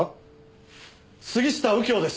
杉下右京です。